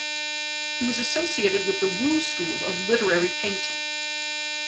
He was associated with the Wu School of literary painting.